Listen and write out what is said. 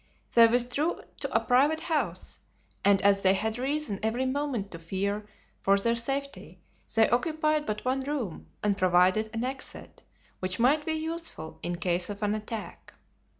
They withdrew to a private house, and as they had reason every moment to fear for their safety, they occupied but one room and provided an exit, which might be useful in case of an attack.